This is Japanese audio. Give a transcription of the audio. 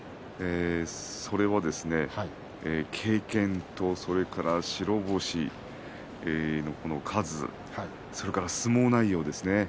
それは、経験とそれから白星の数それから相撲内容ですね。